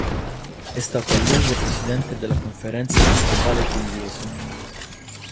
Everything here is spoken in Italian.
È stato a lungo presidente della Conferenza Episcopale Pugliese.